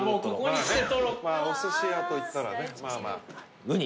お寿司屋といったらねまあまあウニ